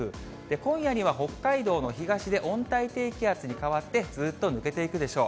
今夜には北海道の東で温帯低気圧に変わって、ずっと抜けていくでしょう。